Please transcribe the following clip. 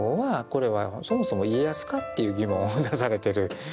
これはそもそも家康か？っていう疑問を出されてる。